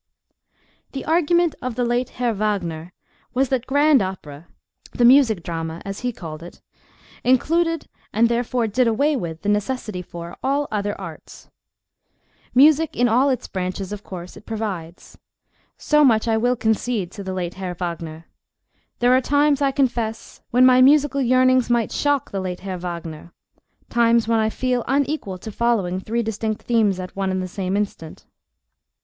THE argument of the late Herr Wagner was that grand opera—the music drama, as he called it—included, and therefore did away with the necessity for—all other arts. Music in all its branches, of course, it provides: so much I will concede to the late Herr Wagner. There are times, I confess, when my musical yearnings might shock the late Herr Wagner—times when I feel unequal to following three distinct themes at one and the same instant.